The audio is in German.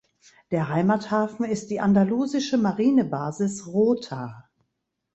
Der Heimathafen ist die andalusische Marinebasis Rota.